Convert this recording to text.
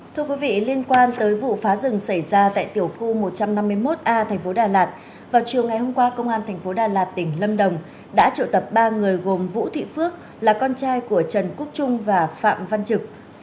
thưa quý vị liên quan tới vụ phá rừng xảy ra tại tiểu khu một trăm năm mươi một a tp đà lạt vào chiều ngày hôm qua công an tp đà lạt tỉnh lâm đồng đã triệu tập ba người gồm vũ thị phước là con trai của trần quốc trung và phạm văn trực